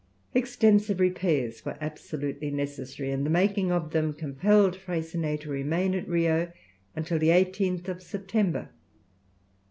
Extensive repairs were absolutely necessary, and the making of them compelled Freycinet to remain at Rio until the 18th of September.